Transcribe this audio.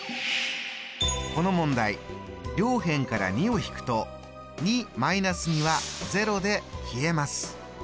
この問題両辺から２を引くと２ー２は０で消えます。